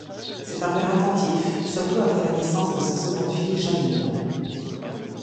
C'est un père attentif, surtout après la naissance de sa seconde fille Jeannine.